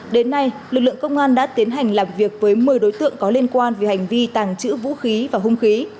đến nay lực lượng công an đã tiến hành làm việc với một mươi đối tượng có liên quan về hành vi tàng trữ vũ khí và hung khí